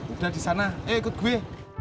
udah di sana eh ikut gue